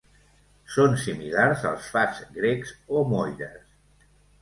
Són similars als fats grecs o moires.